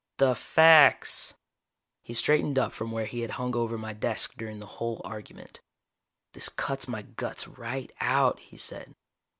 "The facts!" He straightened up from where he had hung over my desk during the whole argument. "This cuts my guts right out," he said.